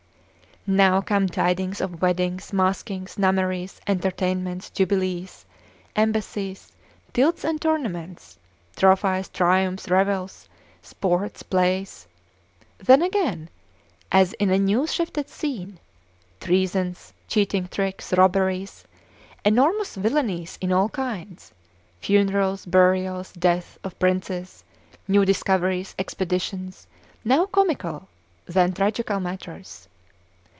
Now come tidings of weddings, maskings, mummeries, entertainments, jubilees, embassies, tilts and tournaments, trophies, triumphs, revels, sports, plays: then again, as in a new shifted scene, treasons, cheating tricks, robberies, enormous villainies in all kinds, funerals, burials, deaths of princes, new discoveries, expeditions, now comical, then tragical matters.